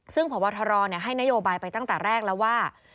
ซึ่งพบทรให้นโยบายไปตั้งแต่แรกแล้วว่า